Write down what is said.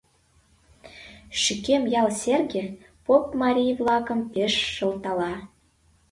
Шӱкем ял Серге поп марий-влакым пеш шылтала: